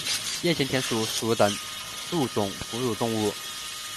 鼹形田鼠属等数种哺乳动物。